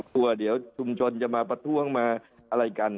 กลัวเดี๋ยวชุมชนจะมาประท้วงมาอะไรกัน